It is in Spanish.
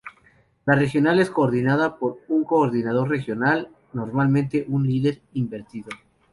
La regional es coordinada por un coordinador regional, normalmente un líder invertido.